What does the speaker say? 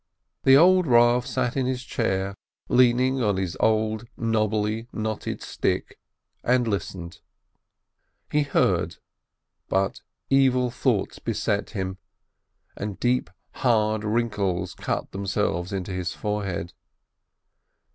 576 BERKOWITZ The old Rav sat in his chair leaning on his old, knobbly, knotted stick, and listened. He heard, but evil thoughts beset him, and deep, hard wrinkles cut themselves into his forehead.